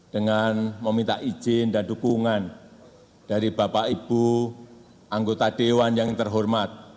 dengan meminta izin dan dukungan dari bapak ibu anggota dewan yang terhormat